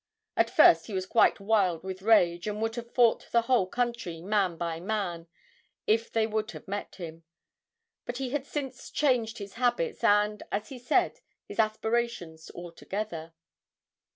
At first he was quite wild with rage, and would have fought the whole county, man by man, if they would have met him. But he had since changed his habits and, as he says, his aspirations altogether.'